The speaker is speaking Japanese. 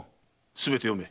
すべて読め。